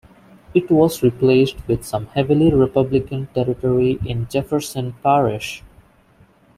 It was replaced with some heavily Republican territory in Jefferson Parish.